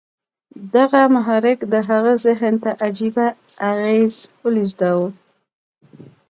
دغه محرک د هغه ذهن ته عجيبه اغېز ولېږداوه.